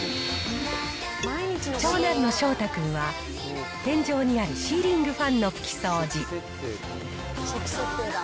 長男のしょうた君は天井にあるシーリングファンの拭き掃除。